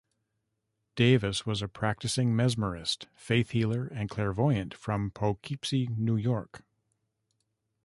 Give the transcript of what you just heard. Davis was a practicing Mesmerist, faith healer and clairvoyant from Poughkeepsie, New York.